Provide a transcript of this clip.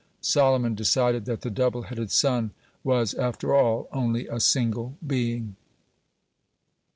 Solomon decided that the double headed son was after all only a single being.